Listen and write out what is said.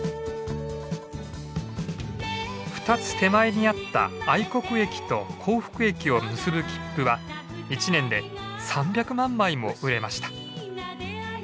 ２つ手前にあった愛国駅と幸福駅を結ぶ切符は１年で３００万枚も売れました。